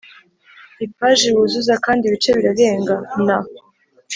ipaji wuzuza, kandi ibice birarengana